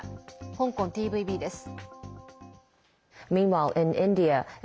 香港ＴＶＢです。